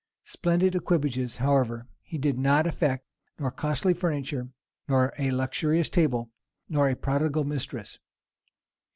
Splendid equipages, however, he did not affect, nor costly furniture, nor a luxurious table, nor prodigal mistresses.